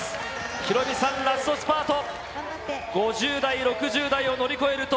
ヒロミさん、ラストスパート。